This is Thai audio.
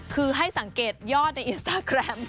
คือให้สังเกตยอดในอินสตาแกรม